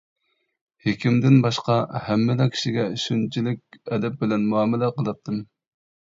ھېكىمدىن باشقا ھەممىلا كىشىگە شۇنچىلىك ئەدەپ بىلەن مۇئامىلە قىلاتتىم.